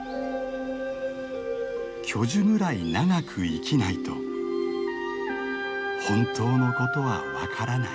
「巨樹ぐらい長く生きないと本当のことは分からない」。